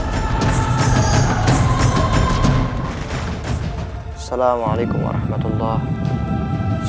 assalamualaikum warahmatullahi wabarakatuh